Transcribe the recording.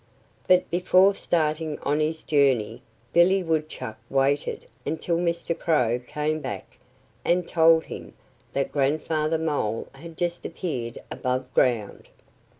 But before starting on his journey Billy Woodchuck waited until Mr. Crow came back and told him that Grandfather Mole had just appeared above ground.